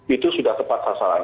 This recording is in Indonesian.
itu sudah tepat hasilnya